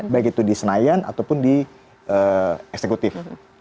baik itu di senayan ataupun di eksekutif